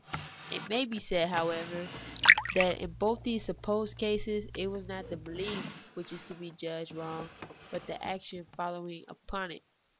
It may be said, however, that in both of these supposed cases it is not the belief which is judged to be wrong, but the action following upon it.